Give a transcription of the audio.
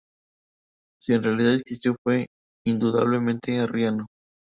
Si en realidad existió, fue indudablemente arriano.